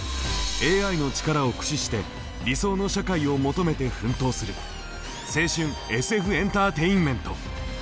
ＡＩの力を駆使して理想の社会を求めて奮闘する青春ＳＦエンターテインメント！